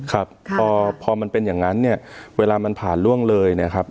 ครับพอมันเป็นอย่างนั้นเนี่ยเวลามันผ่านล่วงเลยเนี่ยครับ